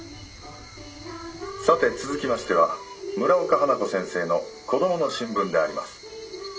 「さて続きましては村岡花子先生の『コドモの新聞』であります」。